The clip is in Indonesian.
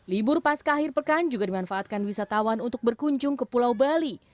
libur pasca akhir pekan juga dimanfaatkan wisatawan untuk berkunjung ke pulau bali